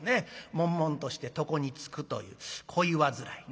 もんもんとして床につくという恋煩い。